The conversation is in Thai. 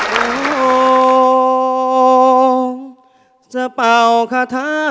ขออนุญาตนะ